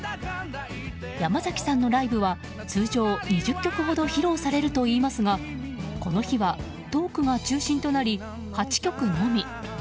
山崎さんのライブは通常２０曲ほど披露されるといいますがこの日は、トークが中心となり８曲のみ。